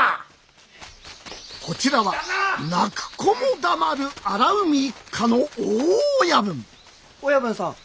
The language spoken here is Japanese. こちらは泣く子も黙る荒海一家の大親分親分さん